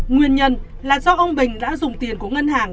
nguyên nhân là do ông bình đã dùng tiền của ngân hàng